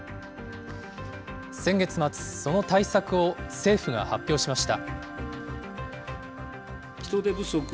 先月末、その対策を政府が発表しました。